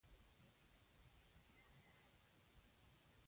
غرمه د کور د سکون سمبول دی